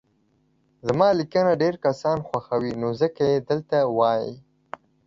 زما ليکنه ډير کسان خوښوي نو ځکه يي دلته وايي